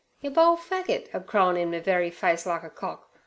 'Yer bole faggit, a crowin' in me very face, like a cock!